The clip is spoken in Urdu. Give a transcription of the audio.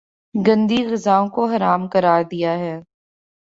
گندی غذاؤں کو حرام قراردیا ہے